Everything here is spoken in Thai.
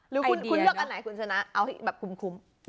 หรือคุณเลือกอันไหนคุณชนะเอาให้แบบคุ้ม